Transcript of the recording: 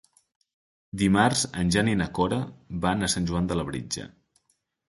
Dimarts en Jan i na Cora van a Sant Joan de Labritja.